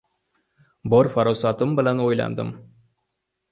Bor farosatim bilan o‘yladim.